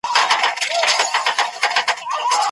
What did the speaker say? حقوقو پوهنځۍ سمدلاسه نه تطبیقیږي.